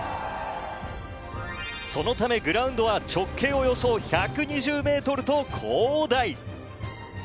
そのためグラウンドは直径およそ１２０ｍと広大。